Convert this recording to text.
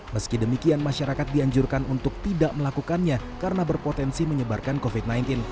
meski demikian masyarakat dianjurkan untuk tidak melakukannya karena berpotensi menyebarkan covid sembilan belas